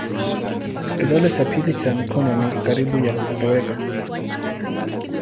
Kidole cha pili cha mikono ni karibu ya kutoweka.